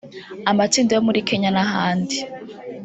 amatsinda yo muri Kenya n’ahandi